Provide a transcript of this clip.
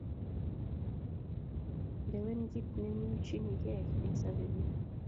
Lewen kit neimokchinikei eng' sobeng'ung'.